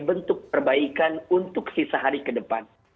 bentuk perbaikan untuk sisa hari ke depan